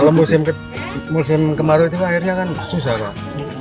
kalau musim kemaru itu airnya kan susah pak